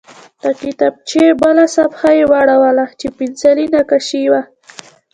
د کتابچې بله صفحه یې واړوله چې پنسلي نقاشي وه